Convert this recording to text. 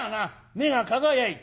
目が輝いた。